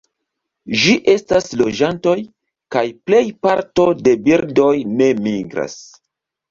Ĝi estas loĝantoj, kaj plej parto de birdoj ne migras.